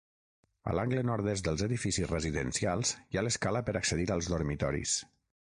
A l'angle nord-est dels edificis residencials hi ha l'escala per accedir als dormitoris.